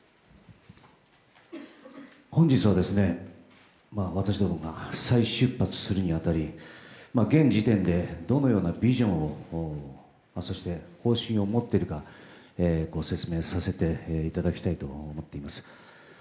本日は私どもが再出発するに当たり現時点で、どのようなビジョンをそして方針を持っているかご説明させていただきたいと思っています。